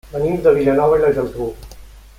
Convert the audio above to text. Venim de Vilanova i la Geltrú.